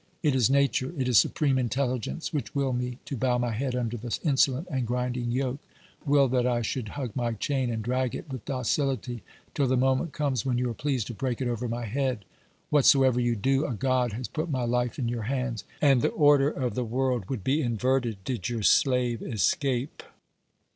It is nature, it is supreme in telligence which will me to bow my head under the insolent and grinding yoke, will that I should hug my chain and drag it with docility till the moment comes when you are pleased to break it over my head. What soever you do, a God has put my life in your hands, and the order of the world would be inverted did your slave escape.